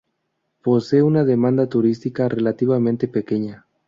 Posee una demanda turística relativamente pequeña.